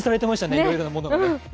いろいろなものがね。